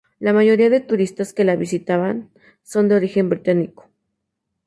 La mayoría de turistas que la visitan son de origen británico.